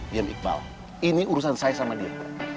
diam iqbal ini urusan saya sama dia